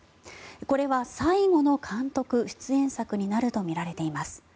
これは最後の監督出演作になるとみられています。